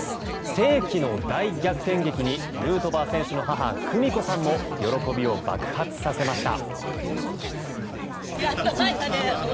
世紀の大逆転劇にヌートバー選手の母久美子さんも喜びを爆発させました。